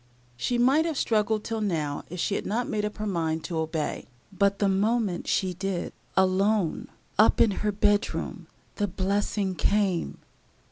She might have struggled till now if she had not made up her mind to obey; but, the moment she did alone, up in her bedroom, the blessing came.